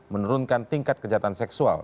menurunkan tingkat kejahatan seksual